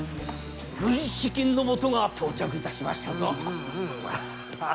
軍資金のもとが到着いたしましたぞ。